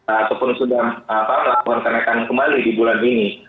ataupun sudah melakukan kenaikan kembali di bulan ini